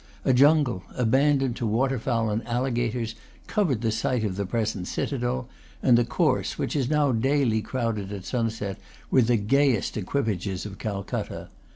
A jungle, abandoned to waterfowl and alligators, covered the site of the present Citadel, and the Course, which is now daily crowded at sunset with the gayest equipages of Calcutta.